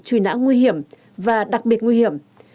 truy nã nguy hiểm và đặc biệt nguy hiểm